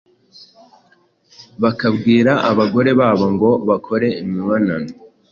bakabwira abagore babo ngo bakore imibonano